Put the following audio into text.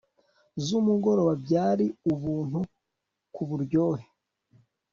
zumugoroba byari ubuntu kuburyohe